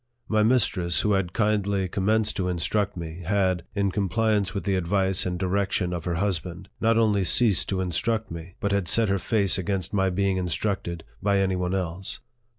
My mistress, who had kindly commenced to instruct me, had, in compliance with the advice and direction of her husband, not only ceased to instruct, but had set her face against my being instructed by any one else.